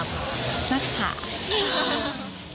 นักภาพ